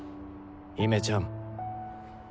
姫ちゃん。